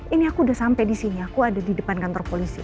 ini aku udah sampe disini aku ada di depan kantor polisi